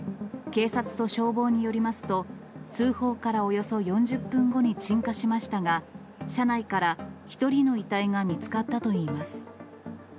警察と消防によりますと、通報からおよそ４０分後に鎮火しましたが、車内から１人の遺体が見つかったといいます。